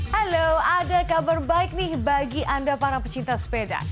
halo ada kabar baik nih bagi anda para pecinta sepeda